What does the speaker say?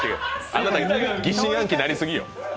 あなた、疑心暗鬼なりすぎよ。